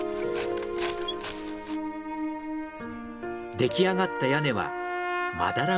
出来上がった屋根はまだら模様。